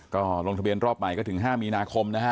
ก็ลงทะเบียนรอบใหม่ก็ถึง๕มีนาคมนะฮะ